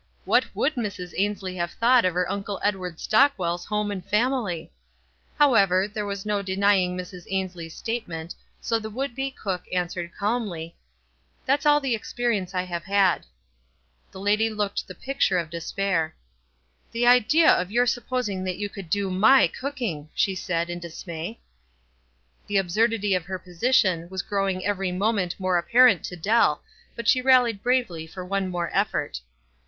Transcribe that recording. What would Mrs. Ainslie have thought of Mr. Edward Stock well's homo and family ! How ever, there was no denying Mrs. Ainslie's state ment, so the would be cook answered calmly, —^ 300 WISE AND OTHERWISE. "That's all the experience I have had." The lady looked the picture of despair. "The idea of your supposing that you could do my cooking !" she said, in dismay. The absurdity of her position was growing every moment more apparent to Dell, but she rallied bravely for one more effort.